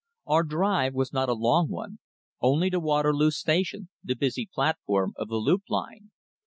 Our drive was not a long one only to Waterloo Station, the busy platform of the loop line.